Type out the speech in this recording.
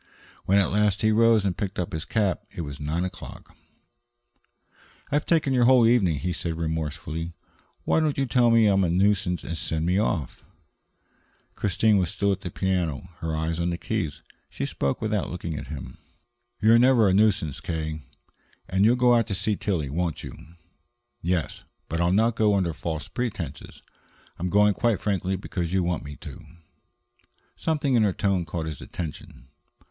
When, at last, he rose and picked up his cap; it was nine o'clock. "I've taken your whole evening," he said remorsefully. "Why don't you tell me I am a nuisance and send me off?" Christine was still at the piano, her hands on the keys. She spoke without looking at him: "You're never a nuisance, K., and " "You'll go out to see Tillie, won't you?" "Yes. But I'll not go under false pretenses. I am going quite frankly because you want me to." Something in her tone caught his attention.